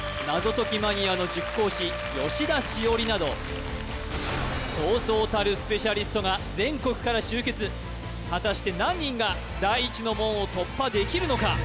率いて戦ってくれた他にもそうそうたるスペシャリストが全国から集結果たして何人が第一の門を突破できるのか？